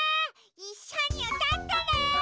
いっしょにうたってね！